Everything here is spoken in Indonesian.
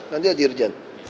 nanti ya dirjen